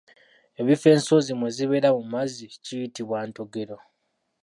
Ebifo ensonzi mwe zibeera mu mazzi kiyitibwa Ntogero.